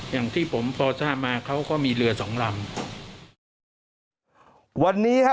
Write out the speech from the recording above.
อย่างที่ผมพอท่านมาเขาก็มีเรือ๒ลำ